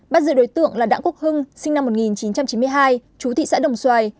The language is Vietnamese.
bắt giữ đối tượng là đảng quốc hưng sinh năm một nghìn chín trăm chín mươi hai chú thị xã đồng xoài